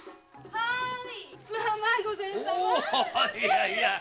はい！